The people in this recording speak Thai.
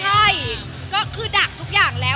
ใช่ก็คือดักทุกอย่างแล้ว